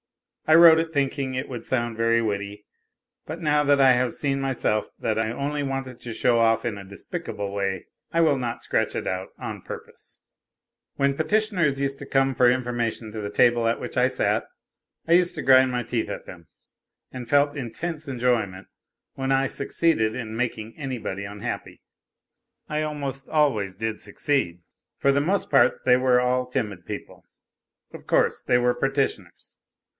I wrote it thinking it would sound very witty ; but now that I have seen myself that I only wanted to show off in a despicable way, I will not scratch it out on purpose !) When petitioners used to come for information to the table at which I sat, I used to grind my teeth at them, and felt intense enjoyment when I succeeded in making anybody unhappy. I almost always did succeed. For the most part they were all timid people of course, they w r ere petitioners.